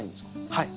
はい。